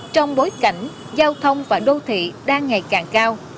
trong bối cảnh giao thông và đô thị đang ngày càng cao